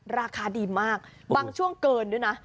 ราคาดีมากบางช่วงเกินด้วยนะ